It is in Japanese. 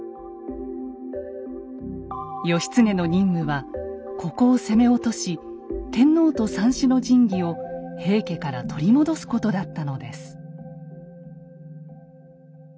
義経の任務はここを攻め落とし天皇と三種の神器を平家から取り戻すことだったのです。